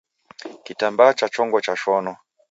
Kitambaa cha chongo chashonwa